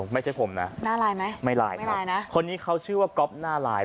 ไม่ใช่ผมนะน่าหลายไหมไม่หลายนะคนนี้เขาชื่อว่าก๊อปน่าหลาย